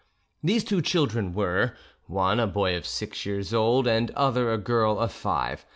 These two children were, one a boy of six years old, the other a girl of five.